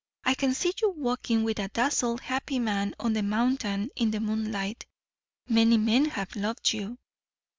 I can see you walking with a dazzled happy man on the mountain in the moonlight. Many men have loved you."